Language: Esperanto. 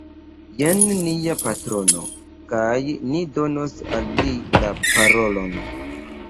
Jen nia patrono, kaj ni donos al li la parolon